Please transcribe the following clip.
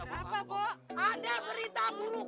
apa bu ada berita buruk